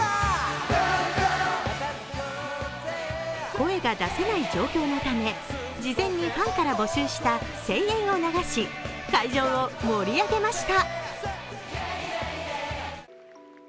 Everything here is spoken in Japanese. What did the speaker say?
声が出せない状況のため、事前にファンから募集した声援を流し会場を盛り上げました。